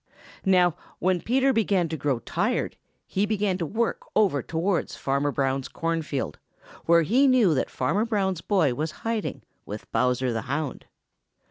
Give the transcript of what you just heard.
Now, when Peter began to grow tired he began to work over towards Farmer Brown's corn field, where he knew that Farmer Brown's boy was hiding, with Bowser the Hound.